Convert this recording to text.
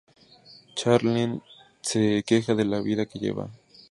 Charlene se queja de la vida que lleva.